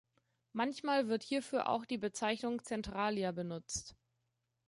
Manchmal wird hierfür auch die Bezeichnung Centralia benutzt.